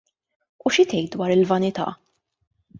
U xi tgħid dwar il-vanità?